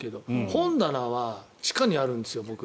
本棚は地下にあるんですよ、僕。